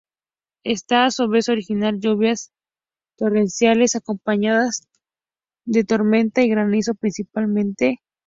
Estas a su vez originan lluvias torrenciales acompañadas de tormenta y granizo principalmente.